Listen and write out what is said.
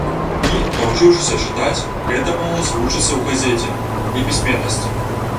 І, навучыўшыся чытаць, гэта моладзь вучыцца ў газеце непісьменнасці.